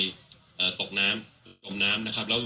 ก็ตกน้ำจนต่ำน้ำนะครับ